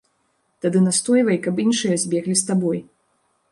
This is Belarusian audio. Тады настойвай, каб іншыя збеглі з табой.